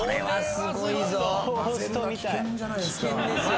危険ですよ